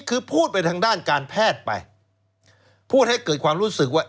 คือพูดไปทางด้านการแพทย์ไปพูดให้เกิดความรู้สึกว่า